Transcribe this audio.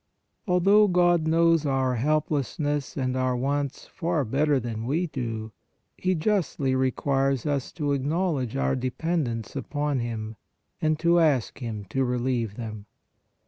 Although God knows our helplessness and our wants far better than we do, He justly requires us to acknowledge our dependence upon Him, and to ask Him to relieve them.